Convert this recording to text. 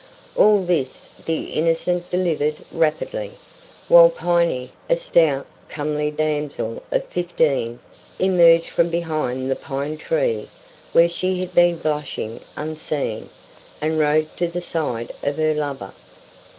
All this the Innocent delivered rapidly, while Piney, a stout, comely damsel of fifteen, emerged from behind the pine tree, where she had been blushing unseen, and rode to the side of her lover.